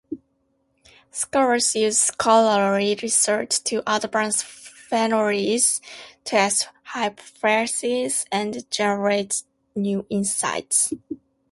Scholars use scholarly research to advance theories, test hypotheses, and generate new insights.